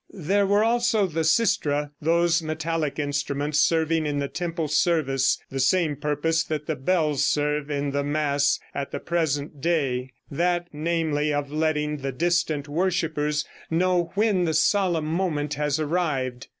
There were also the sistra, those metallic instruments serving in the temple service the same purpose that the bells serve in the mass at the present day that, namely, of letting the distant worshipers know when the solemn moment has arrived.